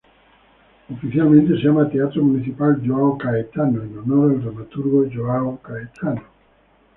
Oficialmente se llama Teatro Municipal João Caetano en honor al dramaturgo João Caetano.